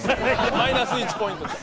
マイナス１ポイントです。